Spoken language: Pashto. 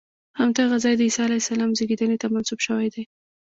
همدغه ځای د عیسی علیه السلام زېږېدنې ته منسوب شوی دی.